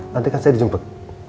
nanti kan saya dijemput